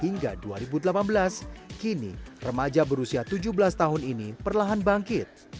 hingga dua ribu delapan belas kini remaja berusia tujuh belas tahun ini perlahan bangkit